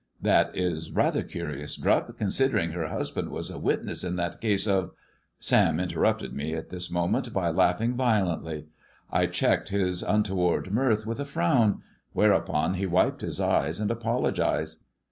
That is rather curious, Drupp, considering her husband jvas a witness in that case of " Sam interrupted me at this moment by laughing vio lently. I checked his untoward mirth with a frown, whereupon he wiped his eyes and apologized.